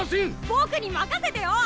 ボクに任せてよ。